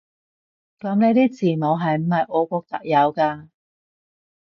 噉呢啲字母係唔係俄國特有㗎？